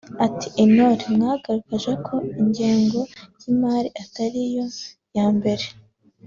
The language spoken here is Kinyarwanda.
ati“Intore mwagaragaje ko ingengo y’imari atari yo ya mbere